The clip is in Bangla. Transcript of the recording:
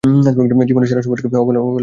জীবনের সেরা সময়টাকে অবহেলায় নষ্ট করে দিচ্ছিস।